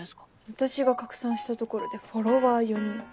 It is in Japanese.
私が拡散したところでフォロワー４人。